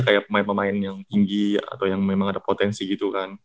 kayak pemain pemain yang tinggi atau yang memang ada potensi gitu kan